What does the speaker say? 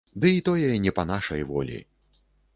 Дый тое не па нашай волі.